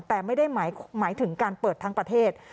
แต่ไม่ได้หมายถึงการเปิดทั้งประเทศ